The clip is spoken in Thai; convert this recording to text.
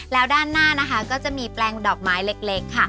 และด้านหน้าก็จะมีแปลงดอกไม้เล็ก